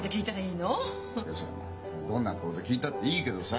いやそのどんな顔で聞いたっていいけどさ。